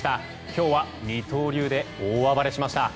今日は二刀流で大暴れしました。